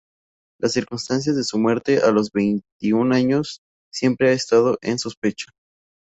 Las circunstancias de su muerte a los veintiún años siempre han estado en sospecha.